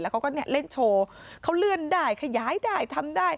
แล้วก็เล่นโชว์เขาเลื่อนได้ขยายได้ทำได้